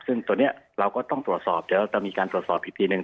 ซึ่งตัวนี้เราก็ต้องตรวจสอบเดี๋ยวเราจะมีการตรวจสอบอีกทีหนึ่ง